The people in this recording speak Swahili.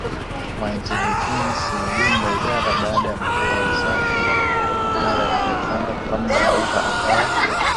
wa intelejensi ya jumla Idara Baada mkuu wa wizara mara Alexander Pamler Hoover akawa